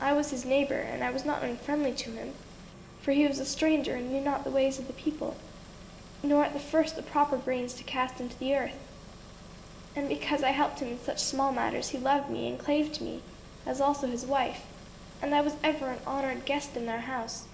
I was his neighbor and I was not unfriendly to him, for he was a stranger and knew not the ways of the people, nor at the first the proper grains to cast into the earth. And because I helped him in such small matters he loved me and clave to me, as also his wife; and I was ever an honored guest in their house.